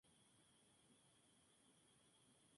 que vosotras no partieseis